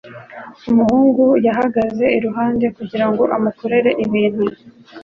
Umuhungu yahagaze iruhande kugirango amukorere ibintu